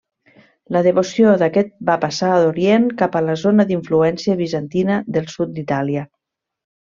La devoció d'aquest va passar d'orient cap a la zona d'influència bizantina del sud d'Itàlia.